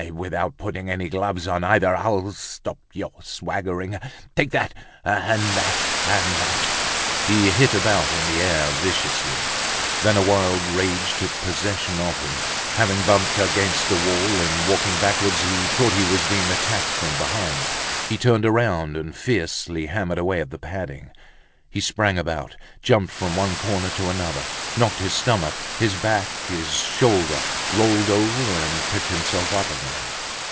And without putting any gloves on either! I'll stop your swaggering. Take that! And that! And that!" He hit about in the air viciously. Then a wild rage took possession of him. Having bumped against the wall in walking backwards, he thought he was being attacked from behind. He turned round, and fiercely hammered away at the padding. He sprang about, jumped from one corner to another, knocked his stomach, his back, his shoulder, rolled over, and picked himself up again.